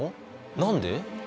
何で？